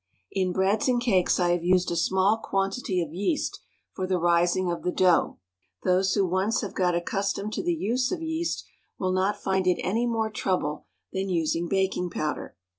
In breads and cakes I have used a small quantity of yeast for the rising of the dough; those who once have got accustomed to the use of yeast will not find it any more trouble than using baking powder.